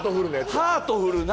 ハートフルな。